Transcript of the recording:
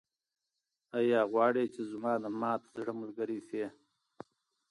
ایا غواړې چې زما د مات زړه ملګرې شې؟